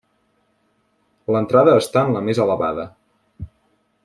L'entrada està en la més elevada.